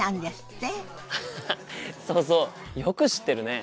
アハハそうそうよく知ってるね。